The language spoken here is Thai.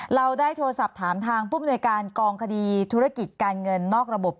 เราได้โทรศัพท์ถามทางผู้มนวยการกองคดีธุรกิจการเงินนอกระบบ